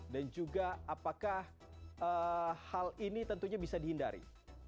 dan juga apakah hal ini tentunya bisa dihindari